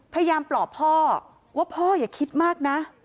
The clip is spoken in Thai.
พยายามปลอบพ่อว่าพ่ออย่าคิดมากนะ